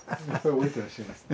覚えてらっしゃいますね。